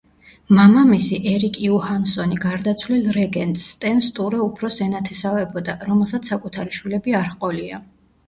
მამამისი ერიკ იუჰანსონი გარდაცვლილ რეგენტს სტენ სტურე უფროსს ენათესავებოდა, რომელსაც საკუთარი შვილები არ ჰყოლია.